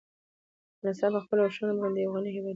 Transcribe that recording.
افغانستان په خپلو اوښانو باندې یو غني هېواد دی.